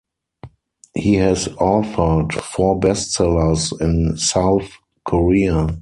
He has authored four bestsellers in South Korea.